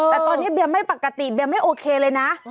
แต่ตอนนี้เบียร์ไม่ปกติเบียร์ไม่โอเคเลยนะ